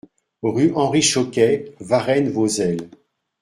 Rue Henri Choquet, Varennes-Vauzelles